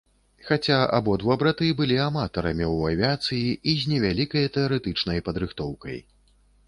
Хаця абодва браты былі аматарамі ў авіяцыі і з невялікай тэарэтычнай падрыхтоўкай.